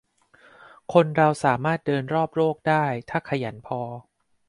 คนเราสามารถเดินรอบโลกได้ ถ้าขยันพอ